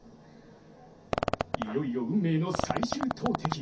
いよいよ運命の最終投てき。